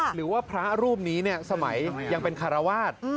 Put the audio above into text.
หรือว่าพระรูปนี้สมัยยังเป็นคารวาส